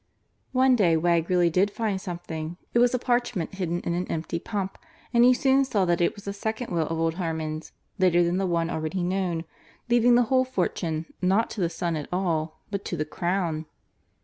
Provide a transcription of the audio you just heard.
One day Wegg really did find something. It was a parchment hidden in an empty pump, and he soon saw that it was a second will of old Harmon's, later than the one already known, leaving the whole fortune, not to the son at all, but to the Crown.